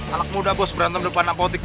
anak muda bos berantem di depan apotek